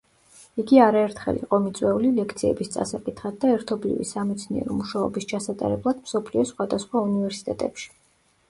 იგი არაერთხელ იყო მიწვეული ლექციების წასაკითხად და ერთობლივი სამეცნიერო მუშაობის ჩასატარებლად მსოფლიოს სხვადასხვა უნივერსიტეტებში.